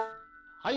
はい！